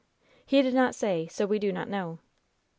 "He did not say; so we do not know."